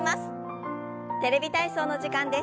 「テレビ体操」の時間です。